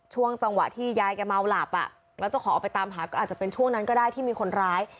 ช่วงจังหวะที่ยายแกเมาหลับอ่ะแล้วเจ้าของออกไปตามหาก็อาจจะเป็นช่วงนั้นก็ได้ที่มีคนร้าย